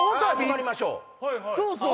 そうそう！